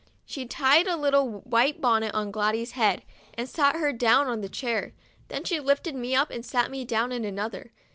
She tied a little white bonnet on Gladys' head, and sat her down on a chair. Then she lifted me up, and sat me down in another.